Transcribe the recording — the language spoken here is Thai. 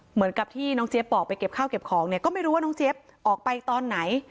เหมือนกับที่น้องเจี๊ยบบอกไปเก็บข้าวเก็บของเนี่ยก็ไม่รู้ว่าน้องเจี๊ยบออกไปตอนไหน